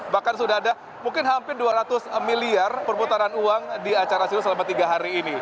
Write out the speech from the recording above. bahkan sudah ada mungkin hampir dua ratus miliar perputaran uang di acara siru selama tiga hari ini